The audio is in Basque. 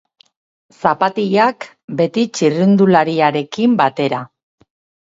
Zapatilak, beti txirrindulariarekin batera.